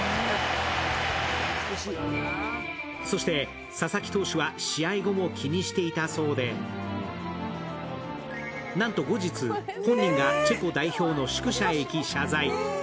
そして、佐々木投手は試合後も気にしていたそうでなんと後日、本人がチェコ代表の宿舎へ行き、謝罪。